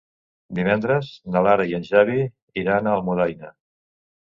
Divendres na Lara i en Xavi iran a Almudaina.